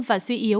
và suy giảm